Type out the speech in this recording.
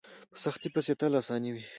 په سختۍ پسې تل اساني وي.